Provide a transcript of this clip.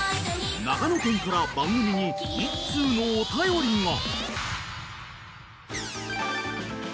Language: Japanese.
［長野県から番組に１通のお便りが］